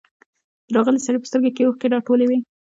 د راغلي سړي په سترګو کې اوښکې راټولې وې.